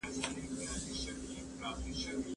ولي د لري واټن زده کړه د مخامخ ټولګیو څخه توپیر لري؟